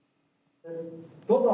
どうぞ。